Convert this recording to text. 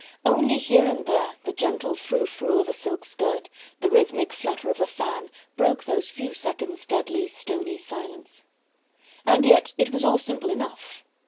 Only here and there the gentle frou frou of a silk skirt, the rhythmic flutter of a fan, broke those few seconds' deadly, stony silence. Yet it was all simple enough.